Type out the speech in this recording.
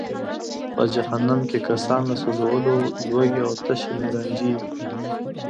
په جهنم کې کسان له سوځولو، لوږې او تشې نه رنجیږي.